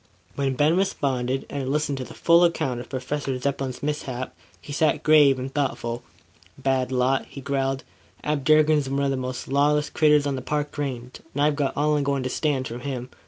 When Ben responded, and had listened to the full account of Professor Zepplin's mishap, he sat grave and thoughtful. "Bad lot," he growled. "Ab Durkin's one of the most lawless critters on the Park Range; and I've got all I'm goin' to stand from him.